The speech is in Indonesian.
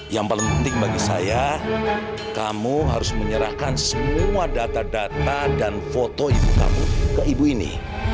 yang paling penting bagi saya kamu harus menyerahkan semua data data dan foto ibu kamu ke ibu ini